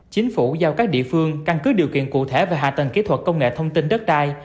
chính phủ giao các địa phương căn cứ điều kiện cụ thể về hạ tầng kỹ thuật công nghệ thông tin đất đai